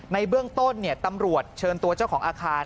ในเบื้องต้นตำรวจเชิญตัวเจ้าของอาคาร